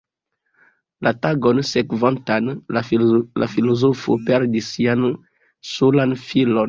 La tagon sekvantan, la filozofo perdis sian solan filon.